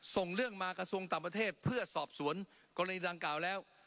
ส่งเรื่องมากระทรวงต่างประเทศเพื่อสอบสวนกรณีดังกล่าวแล้ว